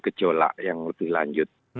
jadi gejala yang lebih lanjut